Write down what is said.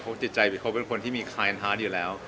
เขาจิตใจเป็นคนที่มีคลายทัศน์อยู่แล้ว